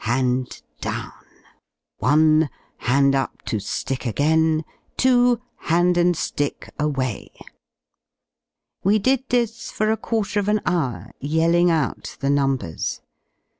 Hand down; 1. Hand up to ^ick again; 2. Hand and ^ick away. We did this for a quarter of an hour, yelling out the numbers.